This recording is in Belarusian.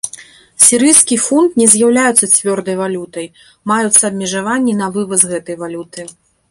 Сірыйскі фунт не з'яўляецца цвёрдай валютай, маюцца абмежаванні на вываз гэтай валюты.